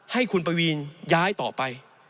ให้คุณปวีนย้ายต่อไป